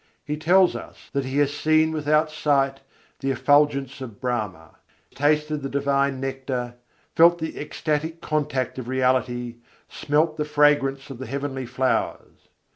He tells us that he has "seen without sight" the effulgence of Brahma, tasted the divine nectar, felt the ecstatic contact of Reality, smelt the fragrance of the heavenly flowers.